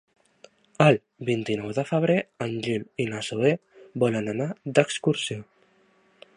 El vint-i-nou de febrer en Gil i na Zoè volen anar d'excursió.